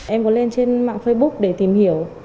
em có lên trên mạng facebook để tìm hiểu